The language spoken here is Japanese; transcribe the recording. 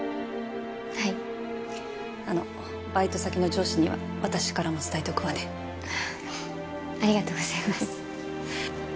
はいあのバイト先の上司には私からも伝えておくわねありがとうございます・